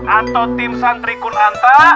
atau tim santri kunanta